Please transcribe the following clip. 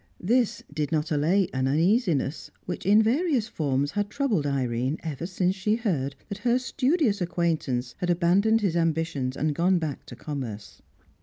This did not allay an uneasiness which, in various forms, had troubled Irene ever since she heard that her studious acquaintance had abandoned his ambitions and gone back to commerce.